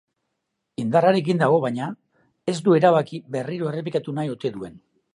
Indarrarekin dago baina, ez du erabaki berriro errepikatu nahi ote duen.